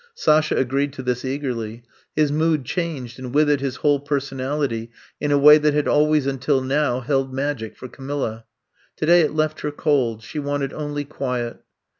'^ Sasha agreed to this eagerly. His mood changed and with it his whole personaUty in a way that had always until now held magic for Camilla. Today it left her cold. She wanted only quiet.